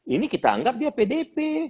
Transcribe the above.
ini kita anggap dia pdp